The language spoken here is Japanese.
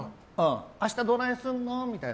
明日どないすんの？みたいな。